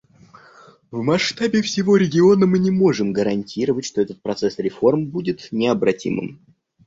В масштабе всего региона мы не можем гарантировать, что этот процесс реформ будет необратимым.